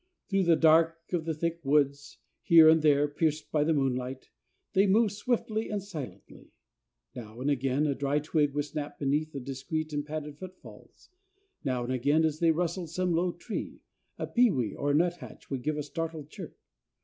Through the dark of the thick woods, here and there pierced by the moonlight, they moved swiftly and silently. Now and again a dry twig would snap beneath the discreet and padded footfalls. Now and again, as they rustled some low tree, a pewee or a nuthatch would give a startled chirp.